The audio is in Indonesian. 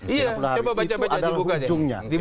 itu adalah ujungnya